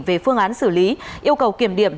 về phương án xử lý yêu cầu kiểm điểm